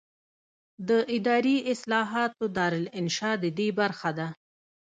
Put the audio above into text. د اداري اصلاحاتو دارالانشا ددې برخه ده.